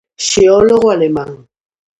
Xeólogo alemán.